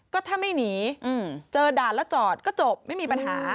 ก็ถ้าไม่หนีเจอด่านแล้วจอดก็จบไม่มีปัญหา